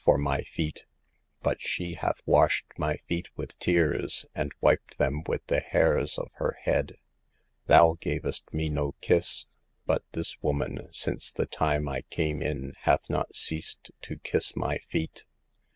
255 for my feet ; but she hath washed my feet with tears, and wiped them with the hairs of her head. " Thou gavest me no kiss ; but this woman, since the time I came in, hath not ceased to kiss my feet.